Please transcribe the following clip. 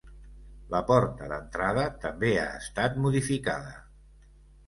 La porta d'entrada també ha estat modificada.